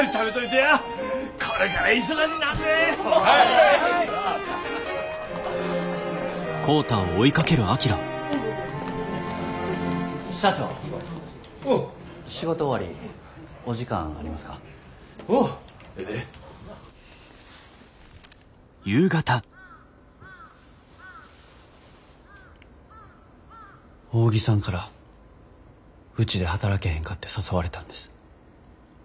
扇さんからうちで働けへんかて誘われたんです。